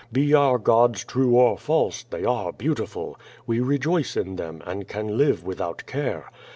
Be our gods true or false, they are beautiful. We rejoice in them, and can live without care.'